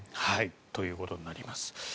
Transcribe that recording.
ということになります。